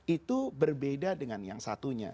itu berbeda dengan yang satunya